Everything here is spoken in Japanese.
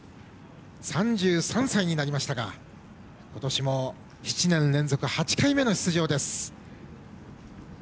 ３３歳になりましたが今年も７年連続８回目の出場です。